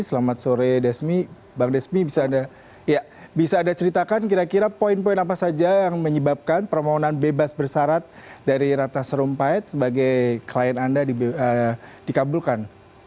selamat sore desmi bang desmi bisa anda ceritakan kira kira poin poin apa saja yang menyebabkan permohonan bebas bersarat dari ratna sarumpait sebagai klien anda dikabulkan